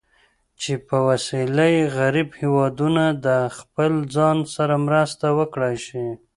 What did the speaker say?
چې په وسیله یې غریب هېوادونه د خپل ځان سره مرسته وکړای شي.